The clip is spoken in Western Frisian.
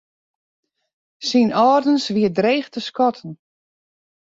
Syn âldens wie dreech te skatten.